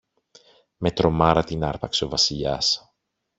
Με τρομάρα την άρπαξε ο Βασιλιάς.